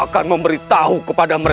kau masih putraku